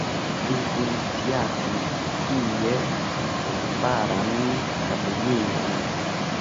Li iniciatis tie Futbalan Akademion.